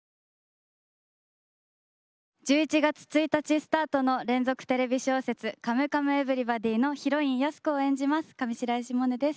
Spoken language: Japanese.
１１月１日スタートの連続テレビ小説「カムカムエヴリバディ」のヒロイン安子を演じます上白石萌音です。